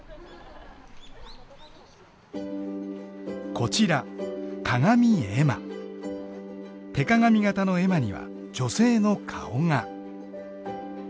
こちら手鏡形の絵馬には女性の顔が。